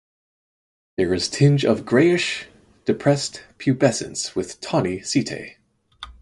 There is tinge of greyish depressed pubescence with tawny setae.